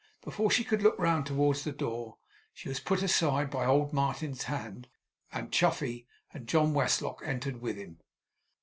Before she could look round towards the door, she was put aside by old Martin's hand; and Chuffey and John Westlock entered with him.